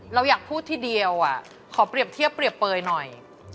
เราอยากพูดทีเดียวขอเปรียบเทียบเปรียบเปลยหน่อย